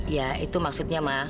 ya itu maksudnya ma